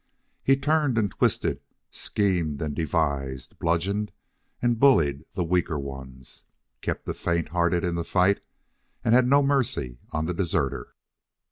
He turned and twisted, schemed and devised, bludgeoned and bullied the weaker ones, kept the faint hearted in the fight, and had no mercy on the deserter.